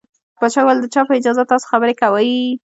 پاچا وويل د چا په اجازه تاسو خبرې کوٸ.